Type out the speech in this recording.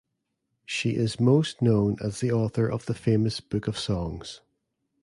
She is most known as the author of the famous Book of Songs.